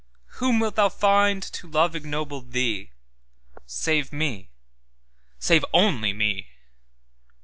Whom wilt thou find to love ignoble thee, Save Me, save only Me?